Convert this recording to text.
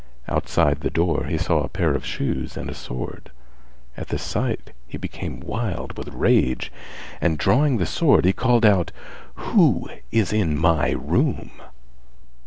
Outside the door he saw a pair of shoes and a sword; at the sight he became wild with rage and drawing the sword he called out: "Who is in my room?"